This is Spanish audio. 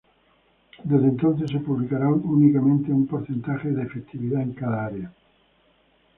Desde entonces, se publicará únicamente un porcentaje de efectividad en cada área.